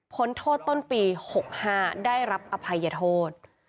โทษต้นปี๖๕ได้รับอภัยโทษ